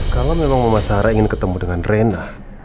kalau memang mama sarah ingin ketemu dengan reina